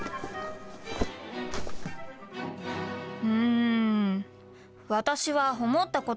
うん。